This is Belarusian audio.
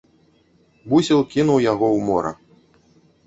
Бусел кінуў яго ў мора.